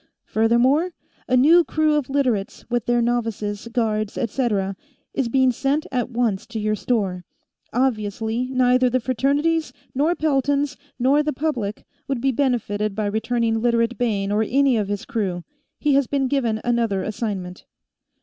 Furthermore, a new crew of Literates, with their novices, guards, et cetera, is being sent at once to your store. Obviously, neither the Fraternities, nor Pelton's, nor the public, would be benefitted by returning Literate Bayne or any of his crew; he has been given another assignment."